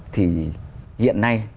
thì hiện nay